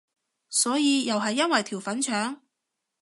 所以又係因為條粉腸？